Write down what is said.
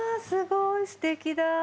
すごいすてきだ。